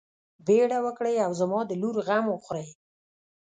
بيړه وکړئ او د زما د لور غم وخورئ.